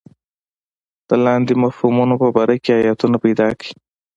د لاندې مفهومونو په باره کې ایتونه پیدا کړئ.